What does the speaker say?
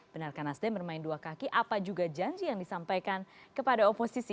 benarkah nasdem bermain dua kaki apa juga janji yang disampaikan kepada oposisi